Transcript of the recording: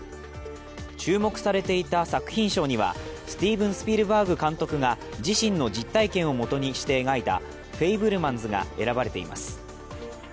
注目されていた作品賞にはスティーブン・スピルバーグ監督が自身の実体験をもとにして描いた「フェイブルマンズ」が選ばれています。